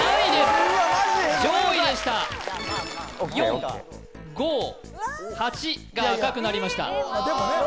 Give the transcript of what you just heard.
ごめんなさい上位でした４・５・８が赤くなりました